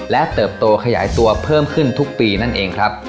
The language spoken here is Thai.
และเติบโตขยายตัวเพิ่มขึ้นทุกปีนั่นเองครับ